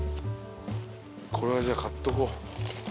これはじゃあ買っとこう。